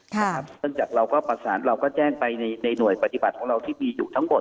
เนื่องจากเราก็ประสานเราก็แจ้งไปในหน่วยปฏิบัติของเราที่มีอยู่ทั้งหมด